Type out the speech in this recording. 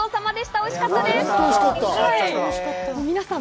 美味しかったです。